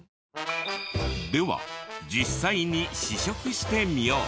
では実際に試食してみよう。